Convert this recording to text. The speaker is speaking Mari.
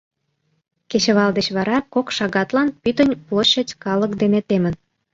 Кечывал деч вара кок шагатлан пӱтынь площадь калык дене темын.